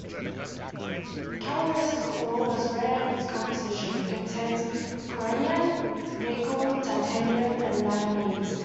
Khalilovsk ore was rare in its composition: it contains chromium, nickel, titanium, and manganese.